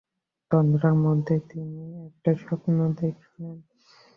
তন্দ্রার মধ্যেই তিনি একটা স্বপ্ন দেখলেন।